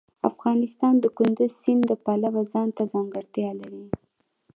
افغانستان د کندز سیند د پلوه ځانته ځانګړتیا لري.